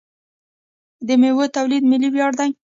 د میوو تولید ملي ویاړ دی.